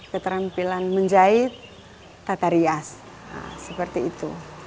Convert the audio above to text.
keterampilan menjahit tatarias seperti itu